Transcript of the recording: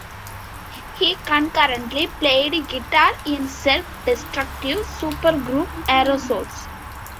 He concurrently played guitar in self-destructive supergroup Aerosols.